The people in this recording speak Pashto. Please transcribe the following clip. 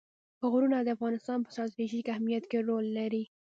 غرونه د افغانستان په ستراتیژیک اهمیت کې رول لري.